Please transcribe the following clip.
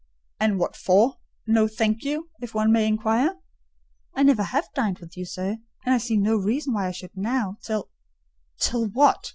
"And what for, 'no, thank you?' if one may inquire." "I never have dined with you, sir: and I see no reason why I should now: till—" "Till what?